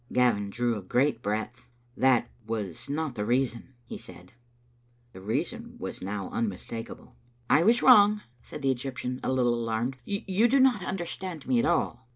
Gavin drew a great breath. " That was not the reason," he said. The reason was now unmistakable. "I was wrong," said the Egyptian, a little alarmed; "you do not understand me at all."